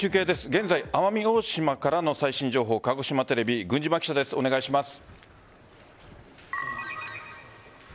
現在、奄美大島からの最新情報鹿児島テレビ郡嶌記者です、お願いします。